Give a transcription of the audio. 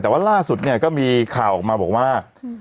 แต่ว่าล่าสุดเนี่ยก็มีข่าวออกมาบอกว่า